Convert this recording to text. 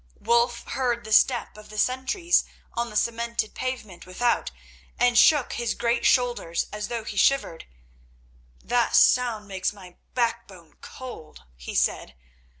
Wulf heard the step of the sentries on the cemented pavement without, and shook his great shoulders as though he shivered. "That sound makes my backbone cold," he said.